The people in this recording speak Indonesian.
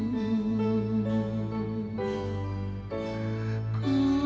aku meminta perbaikanmu